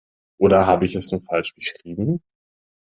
Oder habe ich es nur falsch geschrieben?